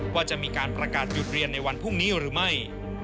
ว่าจะมีการประกาศหยุดเรียนในวันพรุ่งนี้หรือไม่